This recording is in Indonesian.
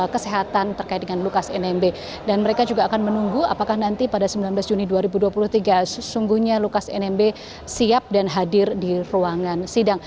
kesehatan terkait dengan lukas nmb dan mereka juga akan menunggu apakah nanti pada sembilan belas juni dua ribu dua puluh tiga sesungguhnya lukas nmb siap dan hadir di ruangan sidang